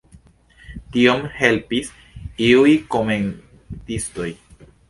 Tion elpensis iuj komentistoj.